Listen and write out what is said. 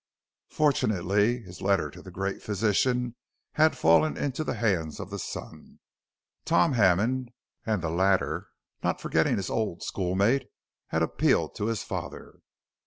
Fortunately, his letter to the great physician had fallen into the hands of the son, Tom Hammond, and the latter, not forgetting his old schoolmate, had appealed to his father.